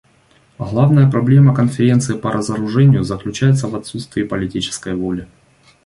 Главная проблема Конференции по разоружению заключается в отсутствии политической воли.